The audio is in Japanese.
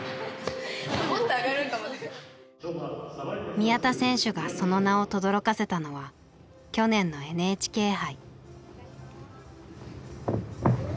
宮田選手がその名をとどろかせたのは去年のＮＨＫ杯。